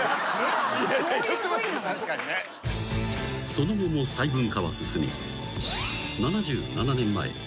［その後も細分化は進み］